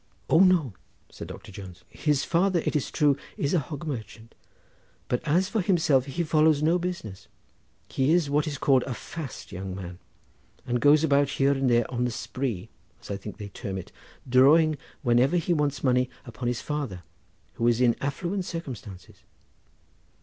"O no," said Doctor Jones. "His father it is true is a hog merchant, but as for himself he follows no business; he is what is called a fast young man, and goes about here and there on the spree, as I think they term it, drawing, whenever he wants money, upon his father, who is in affluent circumstances.